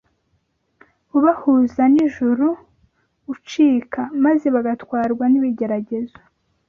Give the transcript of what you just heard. ubahuza n’ijuru ucika, maze bagatwarwa n’ibigeragezo.